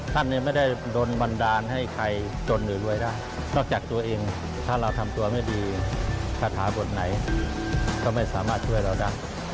เขาจะมาขอเรื่องความรวยอย่างเดียวเลยมั้ยคะ